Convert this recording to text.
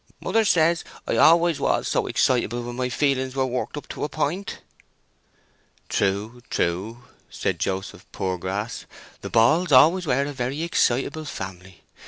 "Mother says I always was so excitable when my feelings were worked up to a point!" "True, true," said Joseph Poorgrass. "The Balls were always a very excitable family.